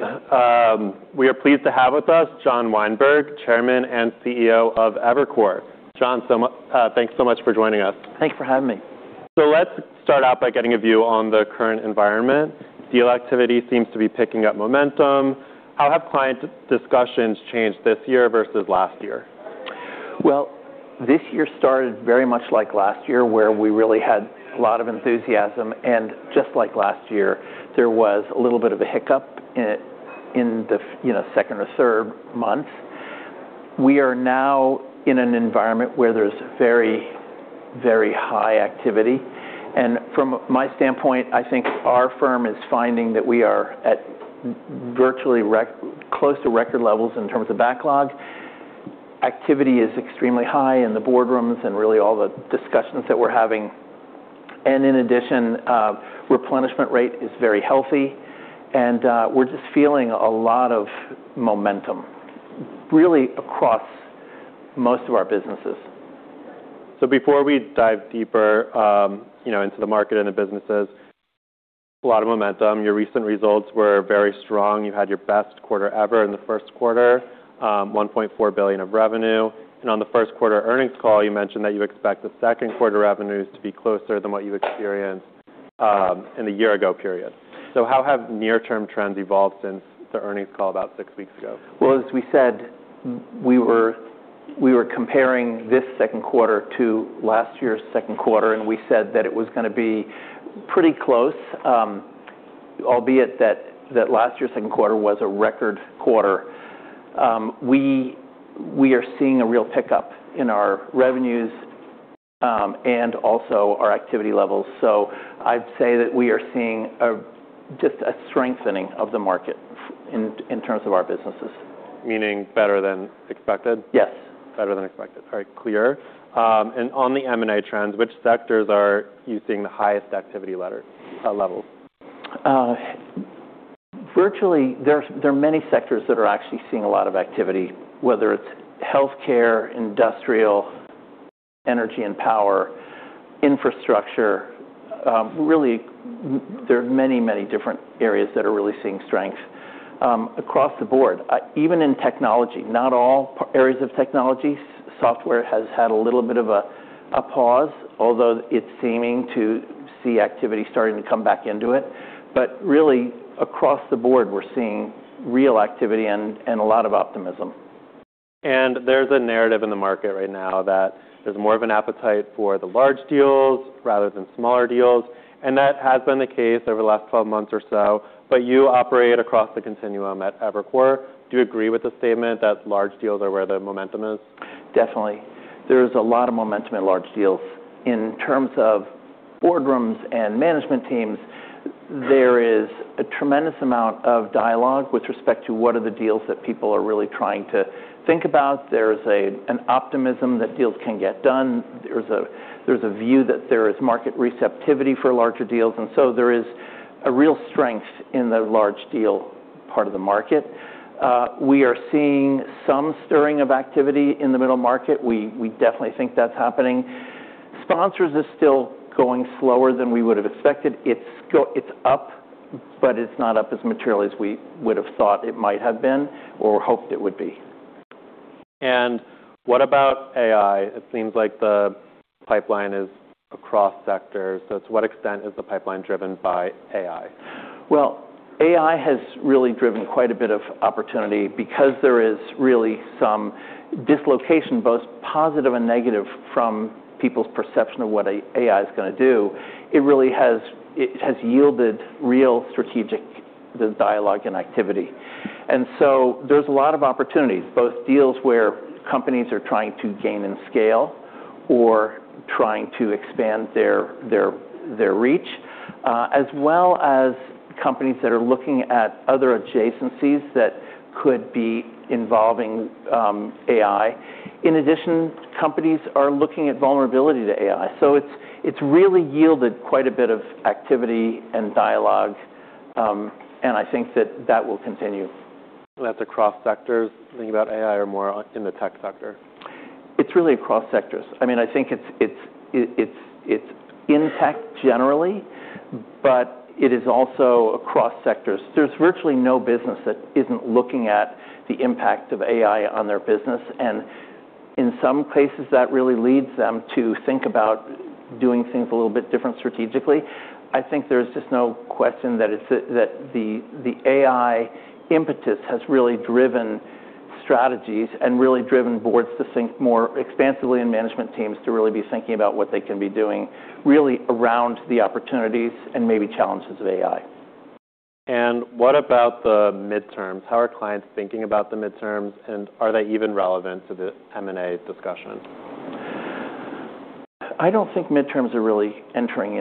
All right. We are pleased to have with us John Weinberg, Chairman and CEO of Evercore. John, thanks so much for joining us. Thanks for having me. Let's start out by getting a view on the current environment. Deal activity seems to be picking up momentum. How have client discussions changed this year versus last year? Well, this year started very much like last year, where we really had a lot of enthusiasm, and just like last year, there was a little bit of a hiccup in the second or third month. We are now in an environment where there's very, very high activity, and from my standpoint, I think our firm is finding that we are at virtually close to record levels in terms of backlog. Activity is extremely high in the boardrooms and really all the discussions that we're having. In addition, replenishment rate is very healthy, and we're just feeling a lot of momentum really across most of our businesses. Before we dive deeper into the market and the businesses, a lot of momentum. Your recent results were very strong. You had your best quarter ever in the first quarter, $1.4 billion of revenue. On the first quarter earnings call, you mentioned that you expect the second quarter revenues to be closer than what you've experienced in the year-ago period. How have near-term trends evolved since the earnings call about six weeks ago? Well, as we said, we were comparing this second quarter to last year's second quarter, and we said that it was going to be pretty close, albeit that last year's second quarter was a record quarter. We are seeing a real pickup in our revenues, and also our activity levels. I'd say that we are seeing just a strengthening of the market in terms of our businesses. Meaning better than expected? Yes. Better than expected. All right, clear. On the M&A trends, which sectors are you seeing the highest activity levels? Virtually, there are many sectors that are actually seeing a lot of activity, whether it's healthcare, industrial, energy and power, infrastructure. Really, there are many, many different areas that are really seeing strength across the board. Even in technology, not all areas of technology. Software has had a little bit of a pause, although it's seeming to see activity starting to come back into it. Really across the board, we're seeing real activity and a lot of optimism. There's a narrative in the market right now that there's more of an appetite for the large deals rather than smaller deals, and that has been the case over the last 12 months or so. You operate across the continuum at Evercore. Do you agree with the statement that large deals are where the momentum is? Definitely. There's a lot of momentum in large deals. In terms of boardrooms and management teams, there is a tremendous amount of dialogue with respect to what are the deals that people are really trying to think about. There's an optimism that deals can get done. There's a view that there is market receptivity for larger deals, there is a real strength in the large deal part of the market. We are seeing some stirring of activity in the middle market. We definitely think that's happening. Sponsors are still going slower than we would've expected. It's up, but it's not up as materially as we would've thought it might have been or hoped it would be. What about AI? It seems like the pipeline is across sectors. To what extent is the pipeline driven by AI? AI has really driven quite a bit of opportunity because there is really some dislocation, both positive and negative, from people's perception of what AI's going to do. It has yielded real strategic dialogue and activity. There's a lot of opportunities, both deals where companies are trying to gain in scale or trying to expand their reach, as well as companies that are looking at other adjacencies that could be involving AI. In addition, companies are looking at vulnerability to AI. It's really yielded quite a bit of activity and dialogue, and I think that that will continue. That's across sectors, thinking about AI, or more in the tech sector? It's really across sectors. I think it's in tech generally, but it is also across sectors. There's virtually no business that isn't looking at the impact of AI on their business, and in some cases, that really leads them to think about doing things a little bit different strategically. I think there's just no question that the AI impetus has really driven strategies and really driven boards to think more expansively, and management teams to really be thinking about what they can be doing, really around the opportunities and maybe challenges of AI. What about the midterms? How are clients thinking about the midterms, and are they even relevant to the M&A discussion? I don't think midterms are really entering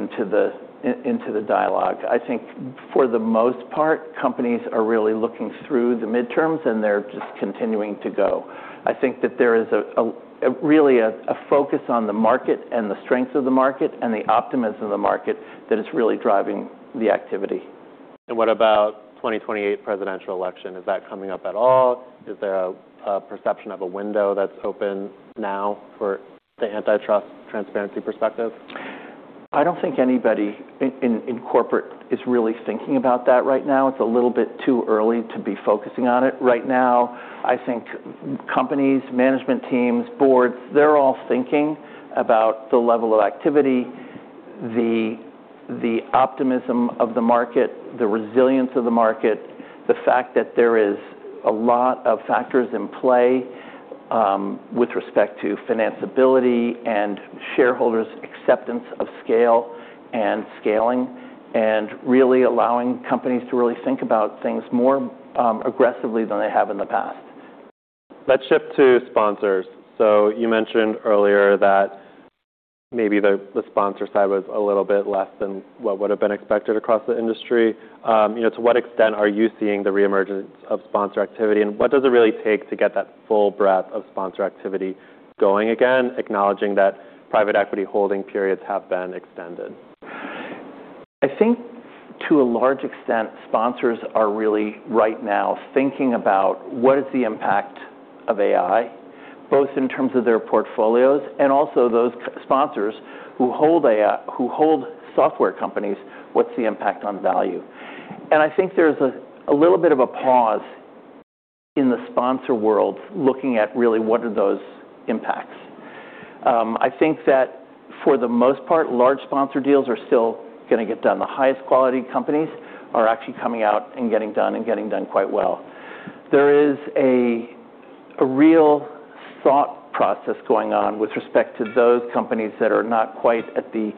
into the dialogue. I think for the most part, companies are really looking through the midterms and they're just continuing to go. I think that there is really a focus on the market and the strength of the market, and the optimism of the market that is really driving the activity. What about 2028 presidential election? Is that coming up at all? Is there a perception of a window that's open now for the antitrust transparency perspective? I don't think anybody in corporate is really thinking about that right now. It's a little bit too early to be focusing on it right now. I think companies, management teams, boards, they're all thinking about the level of activity, the optimism of the market, the resilience of the market, the fact that there is a lot of factors in play with respect to financeability and shareholders' acceptance of scale and scaling, and really allowing companies to really think about things more aggressively than they have in the past. Let's shift to sponsors. You mentioned earlier that maybe the sponsor side was a little bit less than what would've been expected across the industry. To what extent are you seeing the reemergence of sponsor activity, and what does it really take to get that full breadth of sponsor activity going again, acknowledging that private equity holding periods have been extended? I think to a large extent, sponsors are really right now thinking about what is the impact of AI, both in terms of their portfolios and also those sponsors who hold software companies, what's the impact on value? I think there's a little bit of a pause in the sponsor world looking at really what are those impacts. I think that for the most part, large sponsor deals are still going to get done. The highest quality companies are actually coming out and getting done, and getting done quite well. There is a real thought process going on with respect to those companies that are not quite at the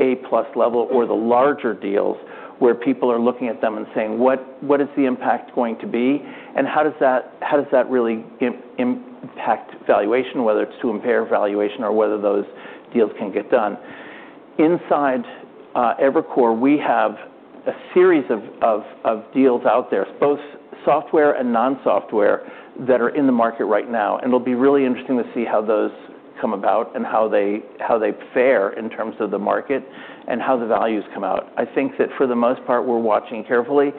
A-plus level or the larger deals, where people are looking at them and saying, "What is the impact going to be, and how does that really impact valuation?" Whether it's to impair valuation or whether those deals can get done. Inside Evercore, we have a series of deals out there, both software and non-software, that are in the market right now. It'll be really interesting to see how those come about and how they fare in terms of the market and how the values come out. I think that for the most part, we're watching carefully.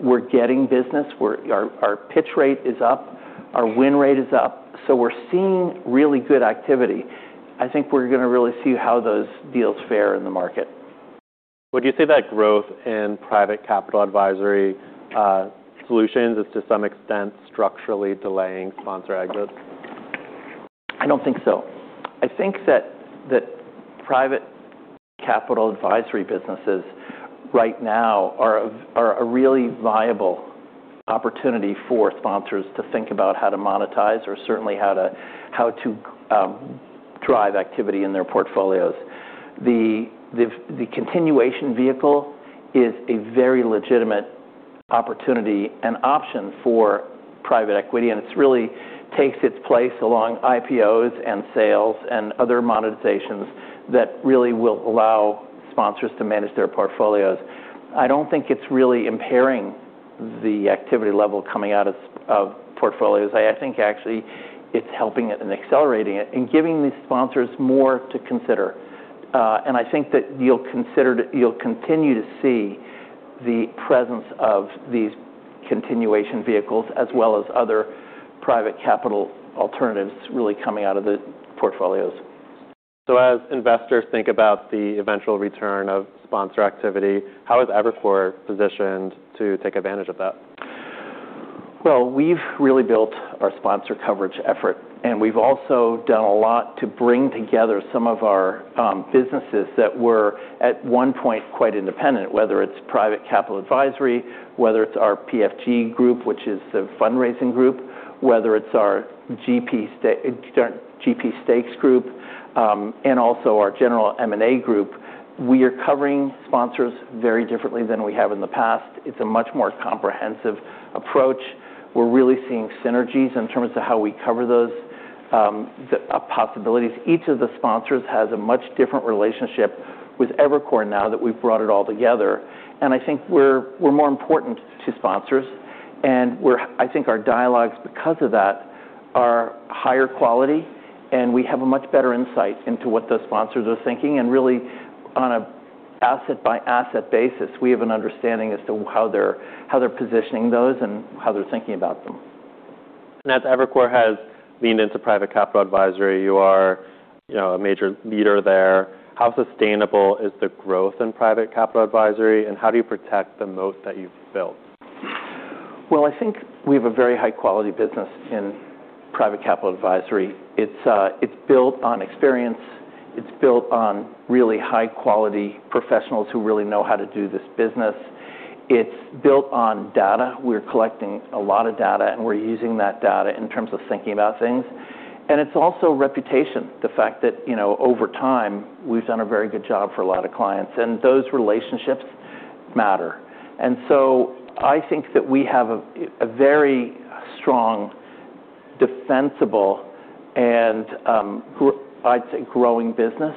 We're getting business. Our pitch rate is up, our win rate is up. We're seeing really good activity. I think we're going to really see how those deals fare in the market. Would you say that growth in private capital advisory solutions is, to some extent, structurally delaying sponsor M&A growth? I don't think so. I think that private capital advisory businesses right now are a really viable opportunity for sponsors to think about how to monetize or certainly how to drive activity in their portfolios. The continuation vehicle is a very legitimate opportunity and option for private equity, and it really takes its place along IPOs and sales and other monetizations that really will allow sponsors to manage their portfolios. I don't think it's really impairing the activity level coming out of portfolios. I think actually it's helping it and accelerating it and giving these sponsors more to consider. I think that you'll continue to see the presence of these continuation vehicles as well as other private capital alternatives really coming out of the portfolios. As investors think about the eventual return of sponsor activity, how is Evercore positioned to take advantage of that? Well, we've really built our sponsor coverage effort, and we've also done a lot to bring together some of our businesses that were at one point quite independent, whether it's private capital advisory, whether it's our PFG group, which is the fundraising group, whether it's our GP stakes group, and also our general M&A group. We are covering sponsors very differently than we have in the past. It's a much more comprehensive approach. We're really seeing synergies in terms of how we cover those possibilities. Each of the sponsors has a much different relationship with Evercore now that we've brought it all together, and I think we're more important to sponsors, and I think our dialogues, because of that, are higher quality, and we have a much better insight into what the sponsors are thinking. Really on an asset-by-asset basis, we have an understanding as to how they're positioning those and how they're thinking about them. As Evercore has leaned into private capital advisory, you are a major leader there. How sustainable is the growth in private capital advisory, and how do you protect the moat that you've built? Well, I think we have a very high-quality business in private capital advisory. It's built on experience. It's built on really high-quality professionals who really know how to do this business. It's built on data. We're collecting a lot of data, and we're using that data in terms of thinking about things. It's also reputation. The fact that over time, we've done a very good job for a lot of clients, and those relationships matter. I think that we have a very strong, defensible, and I'd say growing business.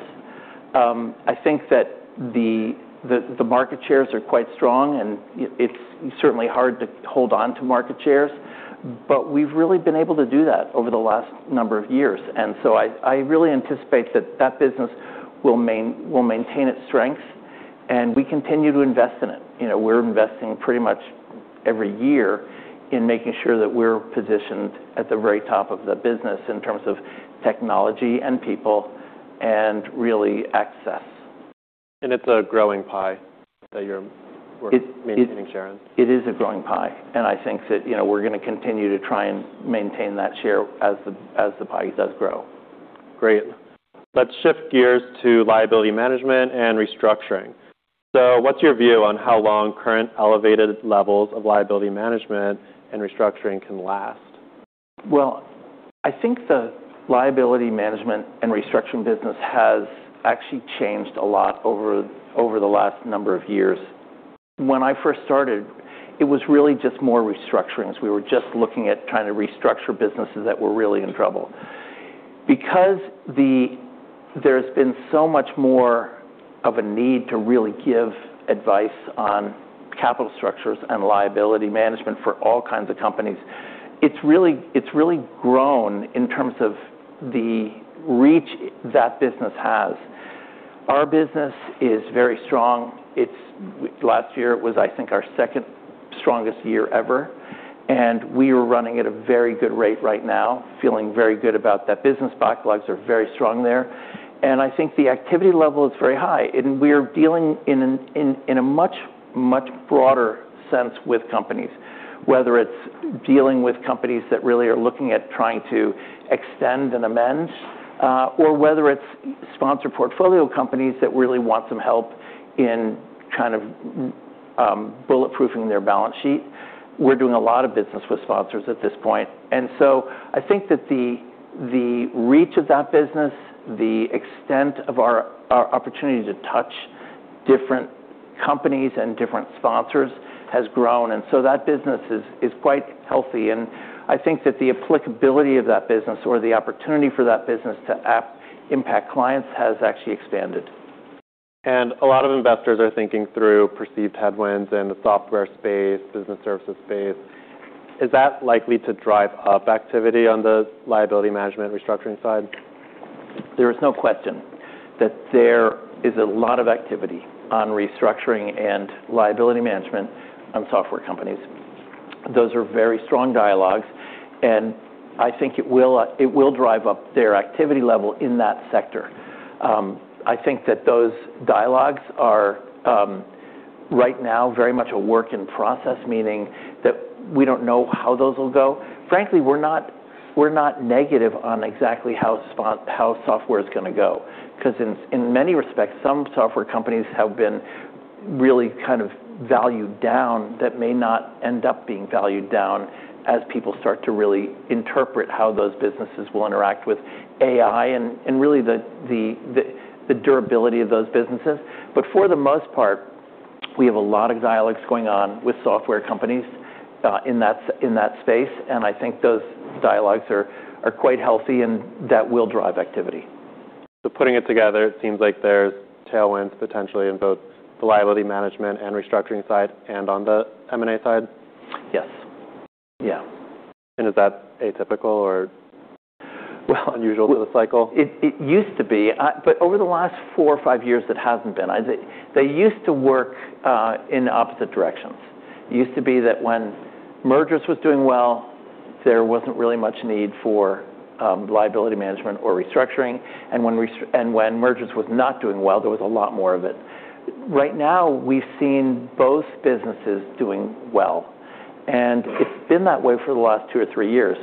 I think that the market shares are quite strong, and it's certainly hard to hold onto market shares, but we've really been able to do that over the last number of years. I really anticipate that that business will maintain its strength. We continue to invest in it. We're investing pretty much every year in making sure that we're positioned at the very top of the business in terms of technology and people, and really access. It's a growing pie that- It's- Maintaining share in. It is a growing pie. I think that we're going to continue to try and maintain that share as the pie does grow. Great. Let's shift gears to liability management and restructuring. What's your view on how long current elevated levels of liability management and restructuring can last? Well, I think the liability management and restructuring business has actually changed a lot over the last number of years. When I first started, it was really just more restructurings. We were just looking at trying to restructure businesses that were really in trouble. Because there's been so much more of a need to really give advice on capital structures and liability management for all kinds of companies, it's really grown in terms of the reach that business has. Our business is very strong. Last year, it was, I think, our second-strongest year ever. We are running at a very good rate right now, feeling very good about that business. Backlogs are very strong there. I think the activity level is very high, and we are dealing in a much, much broader sense with companies, whether it's dealing with companies that really are looking at trying to extend and amend, or whether it's sponsor portfolio companies that really want some help in kind of bulletproofing their balance sheet. We're doing a lot of business with sponsors at this point. I think that the reach of that business, the extent of our opportunity to touch different companies and different sponsors has grown. That business is quite healthy, and I think that the applicability of that business or the opportunity for that business to impact clients has actually expanded. A lot of investors are thinking through perceived headwinds in the software space, business services space. Is that likely to drive up activity on the liability management restructuring side? There is no question that there is a lot of activity on restructuring and liability management on software companies. Those are very strong dialogues, and I think it will drive up their activity level in that sector. I think that those dialogues are, right now, very much a work in process, meaning that we don't know how those will go. Frankly, we're not negative on exactly how software's going to go. In many respects, some software companies have been really kind of valued down that may not end up being valued down as people start to really interpret how those businesses will interact with AI and really the durability of those businesses. For the most part, we have a lot of dialogues going on with software companies in that space, and I think those dialogues are quite healthy and that will drive activity. Putting it together, it seems like there's tailwinds, potentially, in both the liability management and restructuring side and on the M&A side. Yes. Yeah. Is that atypical or- Well- Unusual to the cycle? It used to be, but over the last four or five years, it hasn't been. They used to work in opposite directions. It used to be that when mergers was doing well, there wasn't really much need for liability management or restructuring, and when mergers was not doing well, there was a lot more of it. Right now, we've seen both businesses doing well, and it's been that way for the last two or three years.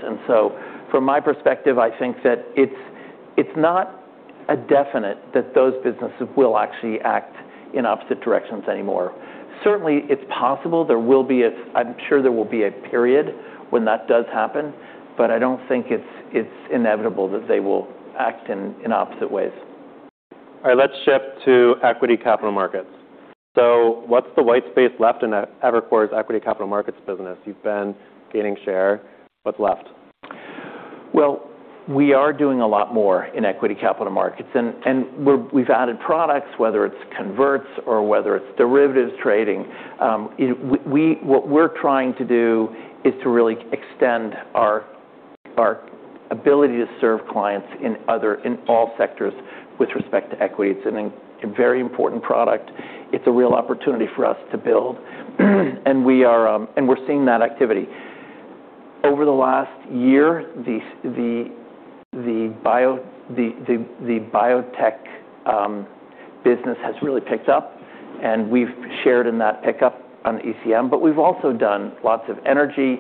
From my perspective, I think that it's not a definite that those businesses will actually act in opposite directions anymore. Certainly, it's possible. I'm sure there will be a period when that does happen, but I don't think it's inevitable that they will act in opposite ways. All right. Let's shift to equity capital markets. What's the white space left in Evercore's equity capital markets business? You've been gaining share. What's left? We are doing a lot more in equity capital markets, and we've added products, whether it's converts or whether it's derivatives trading. What we're trying to do is to really extend our ability to serve clients in all sectors with respect to equity. It's a very important product. It's a real opportunity for us to build. We're seeing that activity. Over the last year, the biotech business has really picked up, and we've shared in that pickup on ECM. We've also done lots of energy.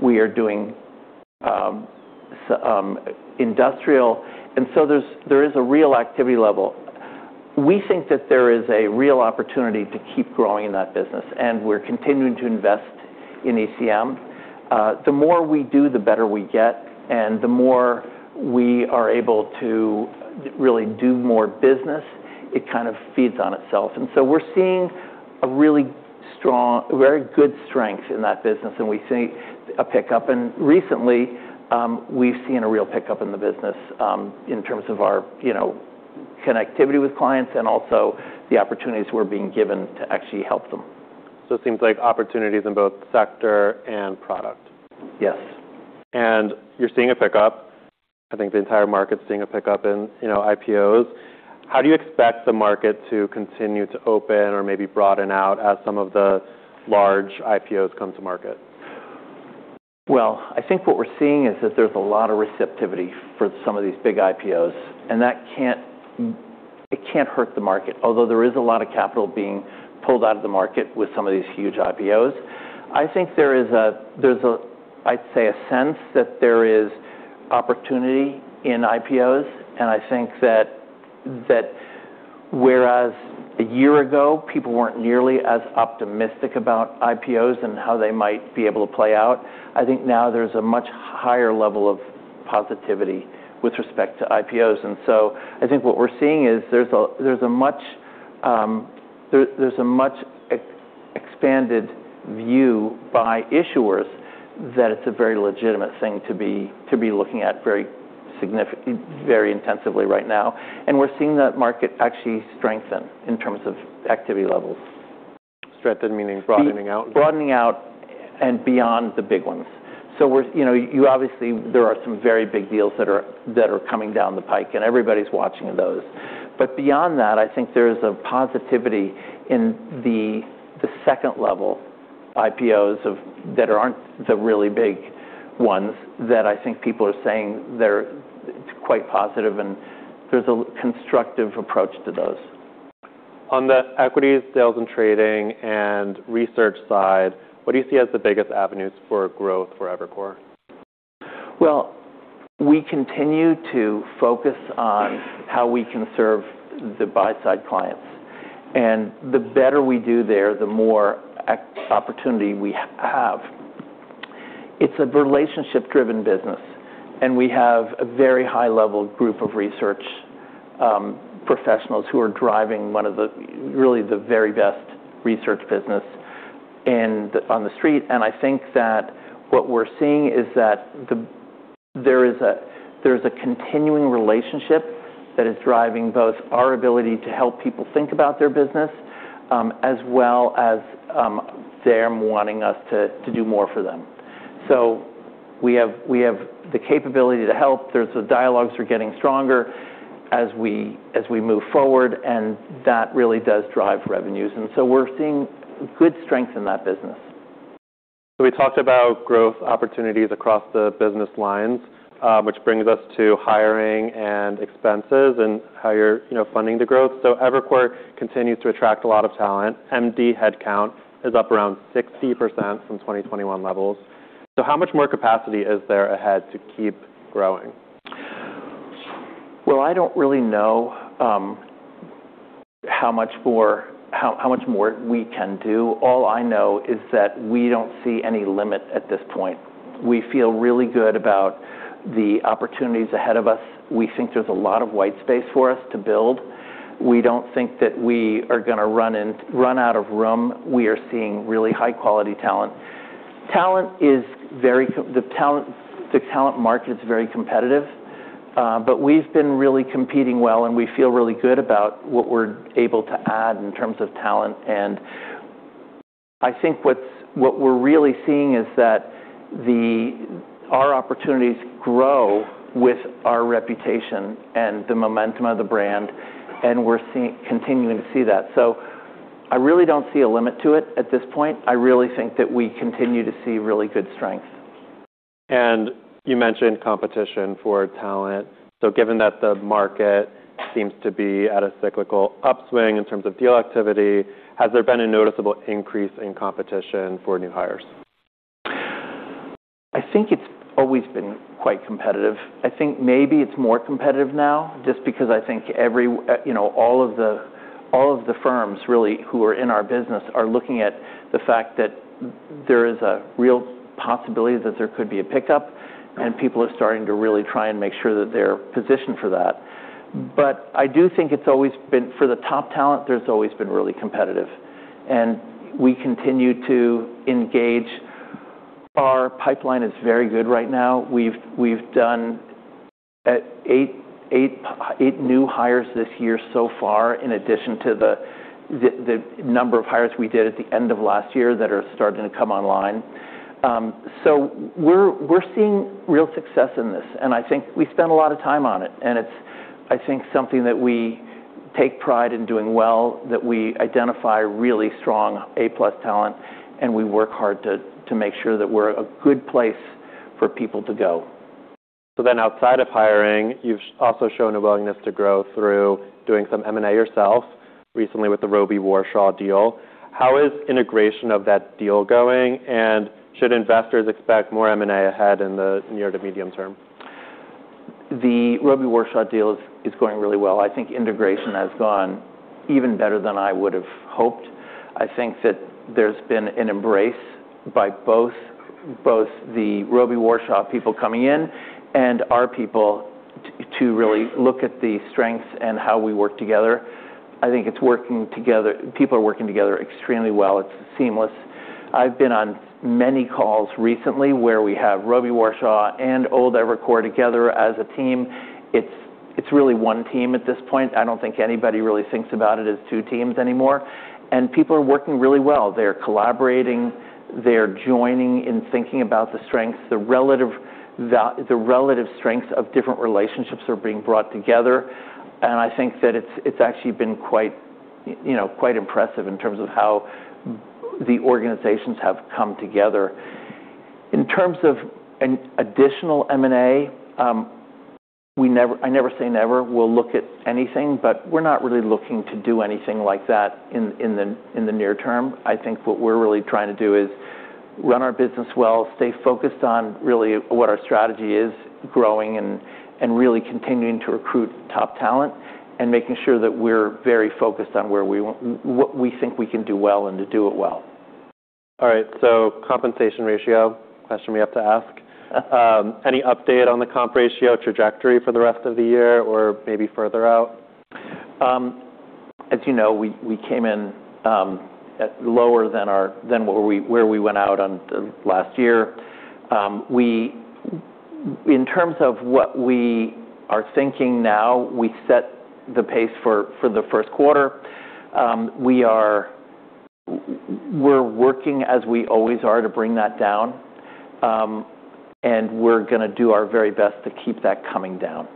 We are doing industrial. There is a real activity level. We think that there is a real opportunity to keep growing in that business, and we're continuing to invest in ECM. The more we do, the better we get, and the more we are able to really do more business. It kind of feeds on itself. We're seeing a really strong, very good strength in that business, and we see a pickup. Recently, we've seen a real pickup in the business in terms of our connectivity with clients and also the opportunities we're being given to actually help them. It seems like opportunities in both sector and product. Yes. You're seeing a pickup. I think the entire market's seeing a pickup in IPOs. How do you expect the market to continue to open or maybe broaden out as some of the large IPOs come to market? Well, I think what we're seeing is that there's a lot of receptivity for some of these big IPOs, it can't hurt the market, although there is a lot of capital being pulled out of the market with some of these huge IPOs. I think there's, I'd say, a sense that there is opportunity in IPOs, I think that whereas a year ago, people weren't nearly as optimistic about IPOs and how they might be able to play out. I think now there's a much higher level of positivity with respect to IPOs. I think what we're seeing is there's a much expanded view by issuers that it's a very legitimate thing to be looking at very intensively right now. We're seeing that market actually strengthen in terms of activity levels. Strengthen, meaning broadening out? Broadening out beyond the big ones. Obviously, there are some very big deals that are coming down the pike, everybody's watching those. Beyond that, I think there's a positivity in the second level IPOs that aren't the really big ones that I think people are saying it's quite positive, there's a constructive approach to those. On the equities sales and trading and research side, what do you see as the biggest avenues for growth for Evercore? Well, we continue to focus on how we can serve the buy-side clients. The better we do there, the more opportunity we have. It's a relationship-driven business, and we have a very high-level group of research professionals who are driving one of the very best research business on the street. I think that what we're seeing is that there is a continuing relationship that is driving both our ability to help people think about their business, as well as them wanting us to do more for them. We have the capability to help. The dialogues are getting stronger as we move forward, and that really does drive revenues. We're seeing good strength in that business. We talked about growth opportunities across the business lines, which brings us to hiring and expenses and how you're funding the growth. Evercore continues to attract a lot of talent. MD headcount is up around 60% from 2021 levels. How much more capacity is there ahead to keep growing? Well, I don't really know how much more we can do. All I know is that we don't see any limit at this point. We feel really good about the opportunities ahead of us. We think there's a lot of white space for us to build. We don't think that we are going to run out of room. We are seeing really high-quality talent. The talent market's very competitive, but we've been really competing well, and we feel really good about what we're able to add in terms of talent. I think what we're really seeing is that our opportunities grow with our reputation and the momentum of the brand, and we're continuing to see that. I really don't see a limit to it at this point. I really think that we continue to see really good strength. You mentioned competition for talent. Given that the market seems to be at a cyclical upswing in terms of deal activity, has there been a noticeable increase in competition for new hires? I think it's always been quite competitive. I think maybe it's more competitive now just because I think all of the firms really who are in our business are looking at the fact that there is a real possibility that there could be a pickup, and people are starting to really try and make sure that they're positioned for that. I do think for the top talent, there's always been really competitive. We continue to engage. Our pipeline is very good right now. We've done eight new hires this year so far, in addition to the number of hires we did at the end of last year that are starting to come online. We're seeing real success in this, and I think I spend a lot of time on it, and it's, I think, something that we take pride in doing well, that we identify really strong A-plus talent, and we work hard to make sure that we're a good place for people to go. Outside of hiring, you've also shown a willingness to grow through doing some M&A yourself recently with the Robey Warshaw deal. How is integration of that deal going, and should investors expect more M&A ahead in the near to medium term? The Robey Warshaw deal is going really well. I think integration has gone even better than I would've hoped. I think that there's been an embrace by both the Robey Warshaw people coming in and our people to really look at the strengths and how we work together. I think people are working together extremely well. It's seamless. I've been on many calls recently where we have Robey Warshaw and old Evercore together as a team. It's really one team at this point. I don't think anybody really thinks about it as two teams anymore, and people are working really well. They're collaborating, they're joining in thinking about the strengths. The relative strengths of different relationships are being brought together, and I think that it's actually been quite impressive in terms of how the organizations have come together. In terms of an additional M&A, I never say never. We'll look at anything, but we're not really looking to do anything like that in the near term. I think what we're really trying to do is run our business well, stay focused on really what our strategy is, growing, and really continuing to recruit top talent, and making sure that we're very focused on what we think we can do well and to do it well. All right, compensation ratio, question we have to ask. Yeah. Any update on the comp ratio trajectory for the rest of the year or maybe further out? As you know, we came in at lower than where we went out on last year. In terms of what we are thinking now, we set the pace for the first quarter. We're working as we always are to bring that down, and we're going to do our very best to keep that coming down.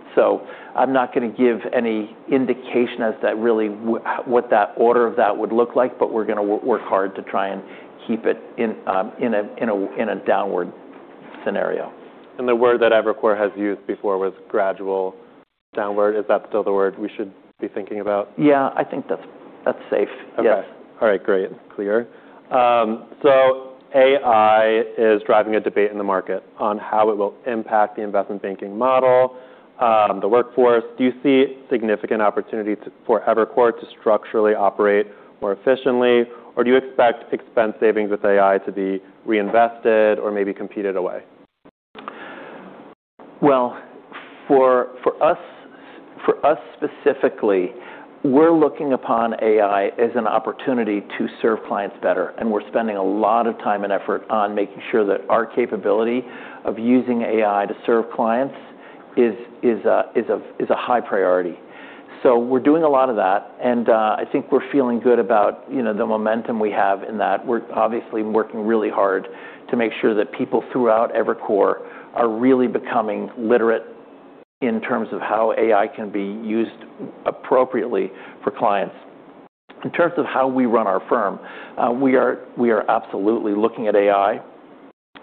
I'm not going to give any indication as to really what that order of that would look like, but we're going to work hard to try and keep it in a downward scenario. The word that Evercore has used before was gradual downward. Is that still the word we should be thinking about? Yeah, I think that's safe. Yes. Okay. All right, great. Clear. AI is driving a debate in the market on how it will impact the investment banking model, the workforce. Do you see significant opportunity for Evercore to structurally operate more efficiently, or do you expect expense savings with AI to be reinvested or maybe competed away? Well, for us specifically, we're looking upon AI as an opportunity to serve clients better, and we're spending a lot of time and effort on making sure that our capability of using AI to serve clients is a high priority. We're doing a lot of that, and I think we're feeling good about the momentum we have in that. We're obviously working really hard to make sure that people throughout Evercore are really becoming literate in terms of how AI can be used appropriately for clients. In terms of how we run our firm, we are absolutely looking at AI.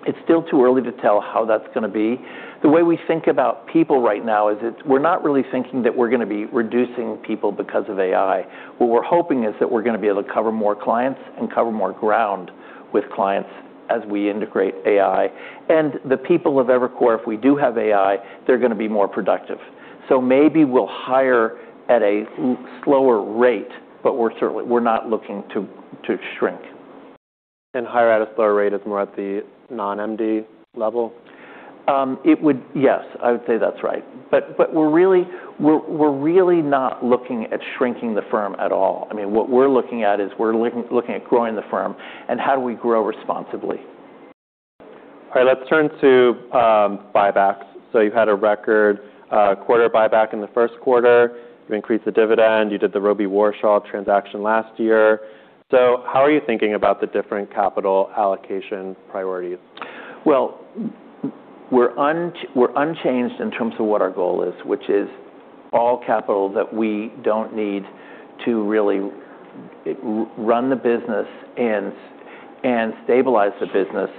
It's still too early to tell how that's going to be. The way we think about people right now is that we're not really thinking that we're going to be reducing people because of AI. What we're hoping is that we're going to be able to cover more clients and cover more ground with clients as we integrate AI. The people of Evercore, if we do have AI, they're going to be more productive. Maybe we'll hire at a slower rate, but we're not looking to shrink. Hire at a slower rate is more at the non-MD level? Yes, I would say that's right. We're really not looking at shrinking the firm at all. What we're looking at is we're looking at growing the firm and how do we grow responsibly. All right, let's turn to buybacks. You've had a record quarter buyback in the first quarter. You increased the dividend. You did the Robey Warshaw transaction last year. How are you thinking about the different capital allocation priorities? Well, we're unchanged in terms of what our goal is, which is all capital that we don't need to really run the business and stabilize the business,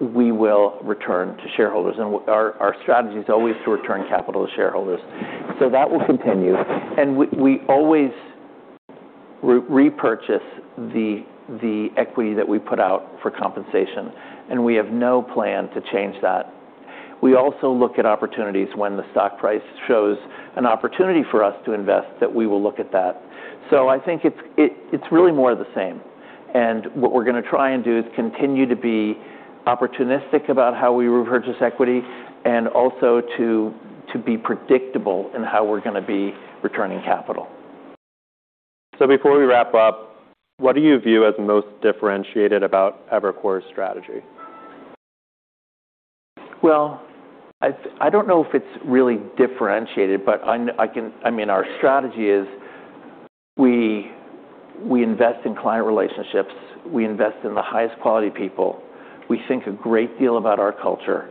we will return to shareholders. Our strategy is always to return capital to shareholders. That will continue. We always repurchase the equity that we put out for compensation, and we have no plan to change that. We also look at opportunities when the stock price shows an opportunity for us to invest, that we will look at that. I think it's really more of the same, and what we're going to try and do is continue to be opportunistic about how we repurchase equity and also to be predictable in how we're going to be returning capital. Before we wrap up, what do you view as most differentiated about Evercore's strategy? Well, I don't know if it's really differentiated, our strategy is we invest in client relationships. We invest in the highest quality people. We think a great deal about our culture,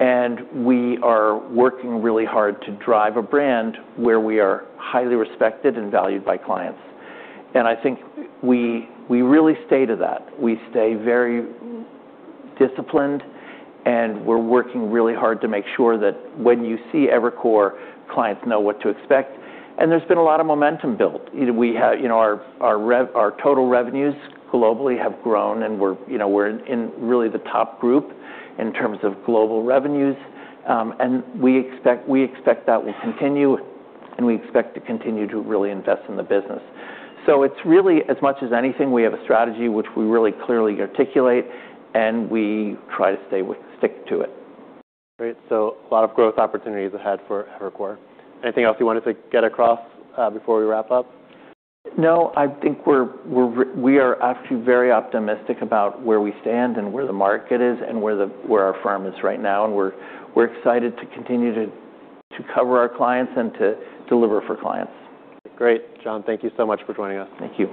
and we are working really hard to drive a brand where we are highly respected and valued by clients. I think we really stay to that. We stay very disciplined, and we're working really hard to make sure that when you see Evercore, clients know what to expect. There's been a lot of momentum built. Our total revenues globally have grown, and we're in really the top group in terms of global revenues. We expect that will continue, and we expect to continue to really invest in the business. It's really, as much as anything, we have a strategy which we really clearly articulate, and we try to stick to it. Great. A lot of growth opportunities ahead for Evercore. Anything else you wanted to get across before we wrap up? No. I think we are actually very optimistic about where we stand and where the market is and where our firm is right now, we're excited to continue to cover our clients and to deliver for clients. Great. John, thank you so much for joining us. Thank you.